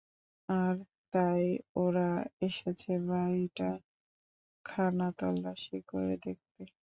আর তাই ওরা এসেছে বাড়িটা খানাতল্লাশি করে দেখতে।